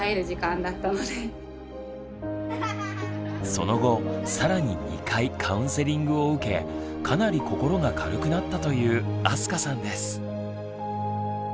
その後更に２回カウンセリングを受けかなり心が軽くなったという明日香さんです。